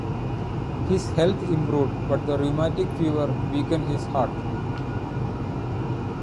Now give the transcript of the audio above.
His health improved, but the rheumatic fever weakened his heart.